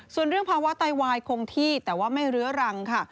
ส่วนเรื่องภาวะไตวายคงที่แต่ว่าไม่เรื้อรังค่ะ